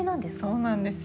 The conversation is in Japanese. そうなんですよ。